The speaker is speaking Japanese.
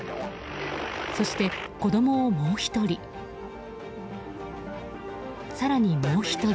そして、子供をもう１人。